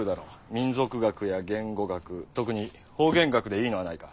民俗学や言語学特に方言学でいいのはないか。